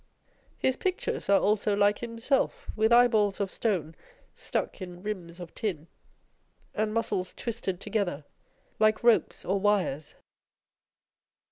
His pictures are also like himself, with eye balls of stone stuck in rims of tin, and muscles twisted together like ropes or wires.